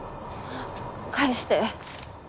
返して。